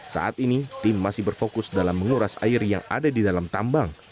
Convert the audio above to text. saat ini tim masih berfokus dalam menguras air yang ada di dalam tambang